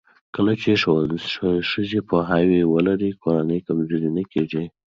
کله چې ښځې پوهاوی ولري، کورنۍ کمزورې نه کېږي.